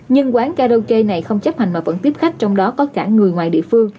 nhưng quán karaoke này không chấp hành mà vẫn tiếp khách trong đó có cả người ngoài địa phương